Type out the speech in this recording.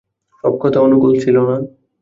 সব কথা অনুকূল ছিল না।